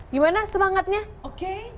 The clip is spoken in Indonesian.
gimana semangatnya oke